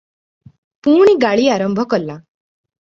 ପୁଣି ଗାଳି ଆରମ୍ଭ କଲା ।